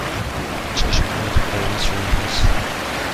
چشمهایتان قرمز شده است.